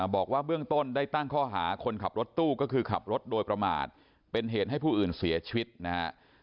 บอกว่าเบื้องต้นได้ตั้งข้อหาคนขับรถตู้ก็คือขับรถโดยประมาทเป็นเหตุให้ผู้อื่นเสียชีวิตนะฮะ